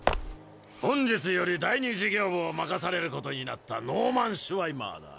本日より第２事業部を任されることになったノーマン・シュワイマーだ。